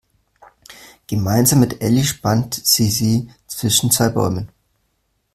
Gemeinsam mit Elli spannt sie sie zwischen zwei Bäumen.